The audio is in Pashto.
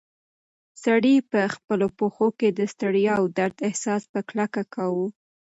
سړی په خپلو پښو کې د ستړیا او درد احساس په کلکه کاوه.